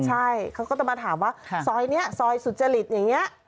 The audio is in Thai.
ใช่เขาก็จะมาถามว่าซอยนี้ซอยสุจริตอย่างนี้